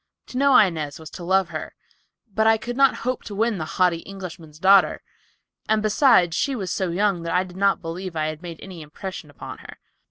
To know Inez was to love her, but I could not hope to win the haughty Englishman's daughter, and besides she was so young that I did not believe I had made any impression upon her.